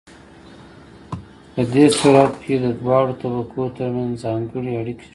په دې صورت کې د دواړو طبقو ترمنځ ځانګړې اړیکې جوړیږي.